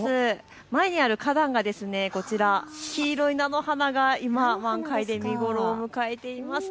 前にある花壇がこちら、黄色い菜の花が今、満開で見頃を迎えています。